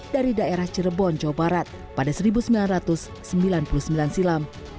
dari daerah cirebon jawa barat pada seribu sembilan ratus sembilan puluh sembilan silam